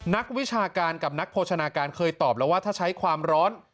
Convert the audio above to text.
นักวิชาการกับนักโภชนาการเคยตอบแล้วว่าถ้าใช้ความร้อน